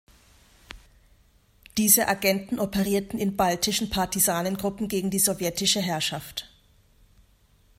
Diese Agenten operierten in baltischen Partisanengruppen gegen die sowjetische Herrschaft.